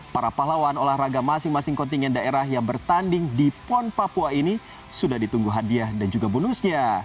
para pahlawan olahraga masing masing kontingen daerah yang bertanding di pon papua ini sudah ditunggu hadiah dan juga bonusnya